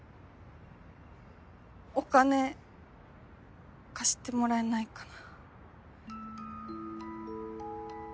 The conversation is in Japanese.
お金貸してもらえないかな。